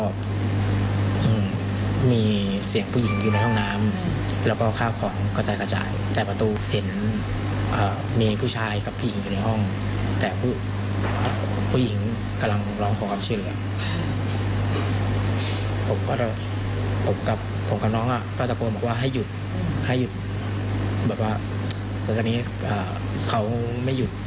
พวกผมกับน้องก็ตะโกนให้หยุดแบบว่าตอนนี้เขาไม่หยุด